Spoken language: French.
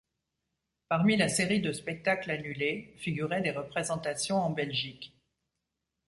Parmi la série de spectacles annulés figuraient des représentations en Belgique.